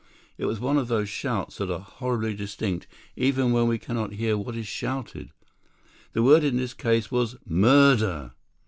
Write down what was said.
It was one of those shouts that are horridly distinct even when we cannot hear what is shouted. The word in this case was "Murder!"